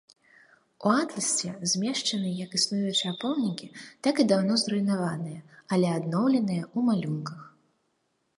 У атласе змешчаны як існуючыя помнікі, так і даўно зруйнаваныя, але адноўленыя ў малюнках.